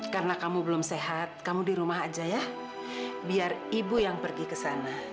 karena kamu belum sehat kamu di rumah aja ya biar ibu yang pergi ke sana